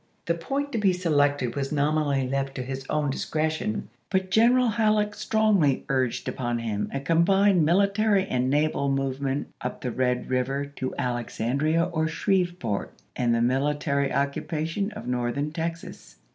The point to be selected was nominally left to his own discretion, but General Halleck strongly urged upon him a combined mili tary and naval movement up the Red Elver to Alexandria or Shreveport and the military occupa tion of Northern Texas.